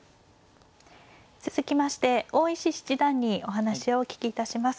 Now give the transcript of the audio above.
続きまして大石七段にお話をお聞きいたします。